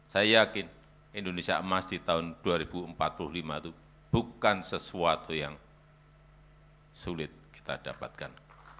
saya yakin indonesia emas di tahun dua ribu empat puluh lima itu bukan sesuatu yang sulit kita dapatkan